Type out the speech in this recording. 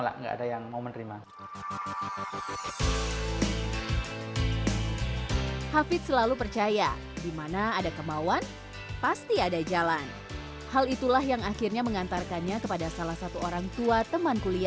kemudian ada masyarakat yang mengumpulkan bahan baku